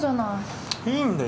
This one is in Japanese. いいんだよ